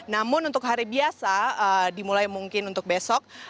namun untuk hari biasa dimulai mungkin untuk besok